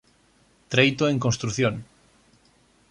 Treito en construción.